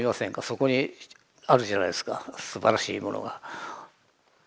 そこにあるじゃないですかすばらしいものが。